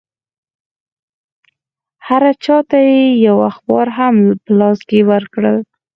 هر چا ته یې یو اخبار هم په لاس کې ورکړ.